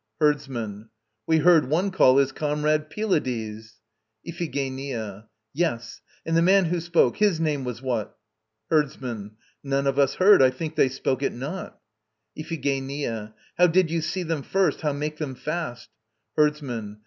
HERDSMAN. We heard one call his comrade "Pylades." IPHIGENIA. Yes. And the man who spoke his name was what? HERDSMAN. None of us heard. I think they spoke it not. IPHIGENIA. How did ye see them first, how make them fast? HERDSMAN.